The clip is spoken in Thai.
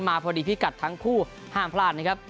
มาพอดีพิกัดทั้งคู่ห้ามพลาดนะครับ